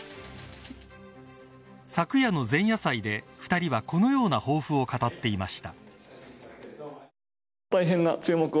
昨夜の前夜祭で２人はこのような抱負を語っていました。